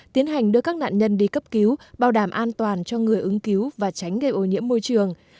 tiến hành đưa các nạn nhân đi cấp cứu bảo đảm an toàn cho người ứng cứu và tránh gây ô nhiễm môi trường